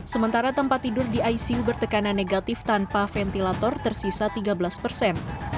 sementara tempat tidur di icu bertekanan negatif tanpa ventilator tersisa tiga belas persen